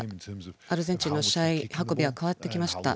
アルゼンチンの試合運びは変わってきました。